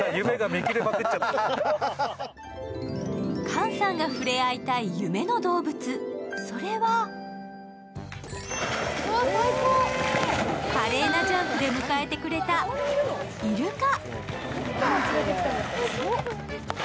菅さんが触れ合いたい夢の動物、それは華麗なジャンプで迎えてくれたイルカ。